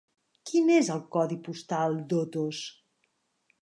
Quin és el codi postal d'Otos?